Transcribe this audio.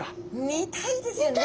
見たいですよね！